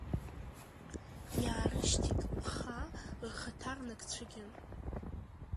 Иаарышьҭит Лхаа рхаҭарнакцәагьы…